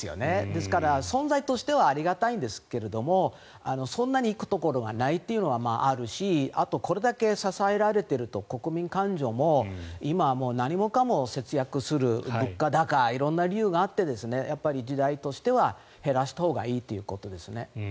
ですから、存在としてはありがたいんですがそんなに行くところがないというのはあるしあと、これだけ支えられていると国民感情も今、何もかも節約する物価高色んな理由があってやっぱり時代としては減らしたほうがいいということですね。